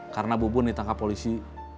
karena bubun ditangkap polisi